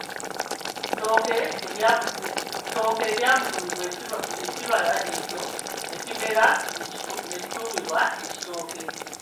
Ttooke eryatuumibwa ekibala ekyo n’ekimera ne kituumibwa ekitooke.